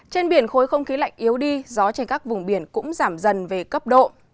trên biển khối không khí lạnh yếu đi gió trên các vùng biển cũng giảm dần về cấp độ